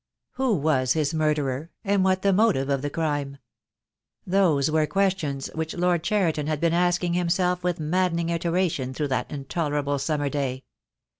Who was his murderer, and what the motive of the crime? Those were questions which Lord Cheriton had been asking himself with maddening iteration through that intolerable summer day.